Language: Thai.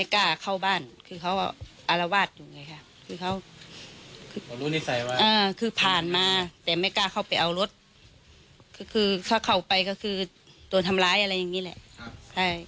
ก็คือถ้าเข้าไปก็คือโดนทำร้ายอะไรอย่างนี้แหละ